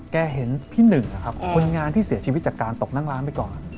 เห็นพี่หนึ่งนะครับคนงานที่เสียชีวิตจากการตกนั่งร้านไปก่อน